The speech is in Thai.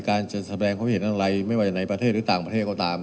จะแสดงความเห็นอะไรไม่ว่าจะในประเทศหรือต่างประเทศก็ตาม